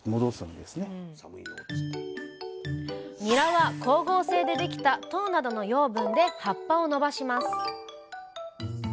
ニラは光合成でできた糖などの養分で葉っぱを伸ばします。